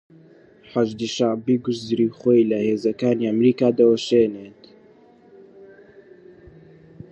حەشدی شەعبی گورزی خۆی لە هێزەکانی ئەمەریکا دەوەشێنێت.